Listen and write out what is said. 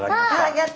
やった。